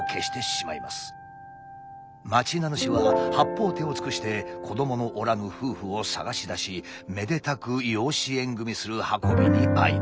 町名主は八方手を尽くして子供のおらぬ夫婦を探し出しめでたく養子縁組する運びに相なりました。